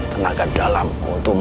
tenaga dalamku untuk